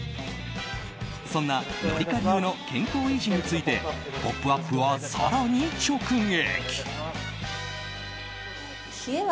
そんな紀香流の健康維持について「ポップＵＰ！」は更に直撃。